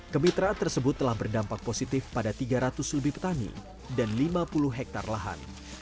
kemitraan tersebut telah berdampak positif pada tiga ratus lebih petani dan lima puluh hektare lahan